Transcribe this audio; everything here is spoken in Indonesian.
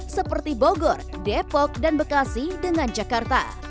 seperti bogor depok dan bekasi dengan jakarta